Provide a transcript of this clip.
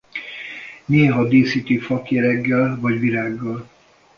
Néha díszíti fakéreggel vagy virággal.